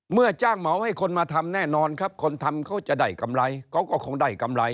จ้างเหมาให้คนมาทำแน่นอนครับคนทำเขาจะได้กำไรเขาก็คงได้กำไร